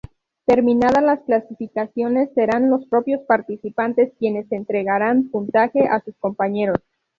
Terminada las calificaciones, serán los propios participantes quienes entregarán puntaje a sus compañeros.